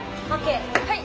はい！